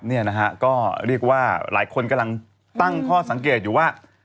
เนี่ยนะฮะก็เรียกว่าหลายคนกำลังตั้งข้อสังเกตอยู่ว่า